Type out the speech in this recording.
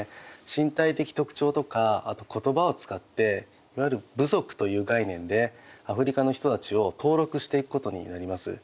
身体的特徴とかあと言葉を使っていわゆる「部族」という概念でアフリカの人たちを登録していくことになります。